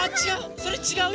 それちがうよ！